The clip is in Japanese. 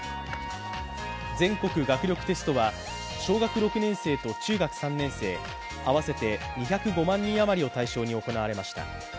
全国学力テストは小学６年生と中学３年生、合わせて２０５万人余りを対象に行われました。